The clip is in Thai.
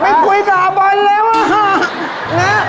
ไม่คุยกับอ๋อมะบ่นเลยว่ะ